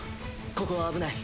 ここは危ない。